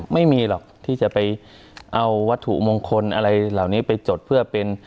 ไม่มีหรอกที่จะไปเอาวัตถุมงคลอะไรเหล่านี้ไปจดเพื่อเป็น